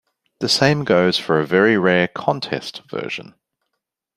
The same goes for a very rare "contest" version.